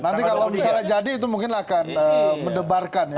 nanti kalau misalnya jadi itu mungkin akan mendebarkan ya